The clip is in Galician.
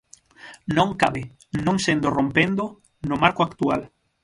Non cabe, non sendo rompéndoo, no marco actual.